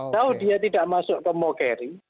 jauh dia tidak masuk ke mau carry